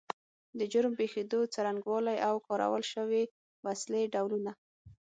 د جرم پیښېدو څرنګوالی او کارول شوې وسلې ډولونه